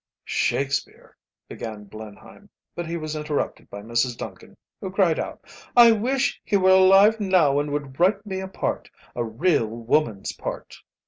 "Shakespeare," began Blenheim; but he was interrupted by Mrs. Duncan who cried out: "I wish he were alive now and would write me a part, a real woman's part.